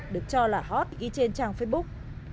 được cho là hot ghi trên trang facebook